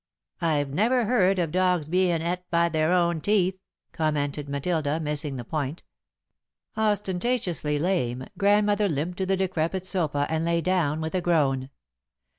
"I've never heard of dogs bein' et by their own teeth," commented Matilda, missing the point. Ostentatiously lame, Grandmother limped to the decrepit sofa and lay down with a groan.